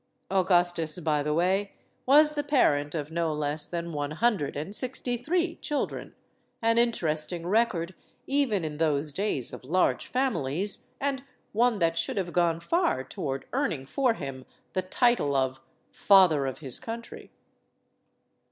(Augustus, by the way, was the parent of no less than one hundred and sixty three children an interesting record even in those days of large families, and one that should have gone far toward earning for him the title of "Father of his Country.")